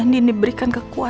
si buruk rupa